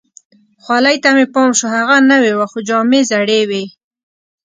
خولۍ ته مې پام شو، هغه نوې وه، خو جامې زړې وي.